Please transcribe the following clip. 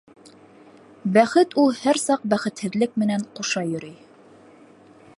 Бәхет ул һәр саҡ бәхетһеҙлек менән ҡуша йөрөй.